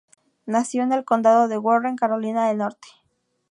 Nació en el Condado de Warren, Carolina del Norte.